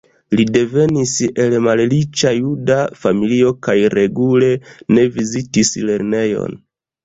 Li devenis el malriĉa juda familio kaj regule ne vizitis lernejon.